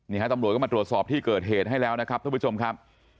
ตำรวจก็มาตรวจสอบที่เกิดเหตุให้แล้วนะครับทุกผู้ชมครับ